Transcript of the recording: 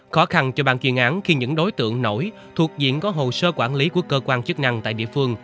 khó khăn cho bàn chuyên án khi những đối tượng nổi thuộc diện có hồ sơ quản lý của cơ quan chức năng tại địa phương